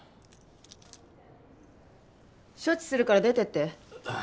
処置するから出てって。